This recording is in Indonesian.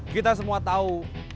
kita semua tahu